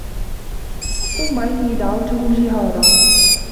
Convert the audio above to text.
ثُمَّ إِنِّي دَعَوْتُهُمْ جِهَارًا